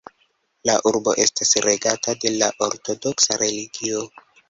La urbo estas regata de la ortodoksa religio.